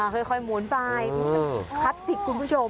ค่อยหมุนไปคลาสสิกคุณผู้ชม